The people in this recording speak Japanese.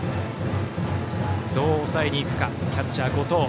どう抑えに行くかキャッチャー、後藤。